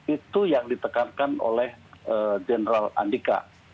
itu yang ditekankan oleh general andika